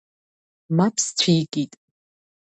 Мап сцәикит.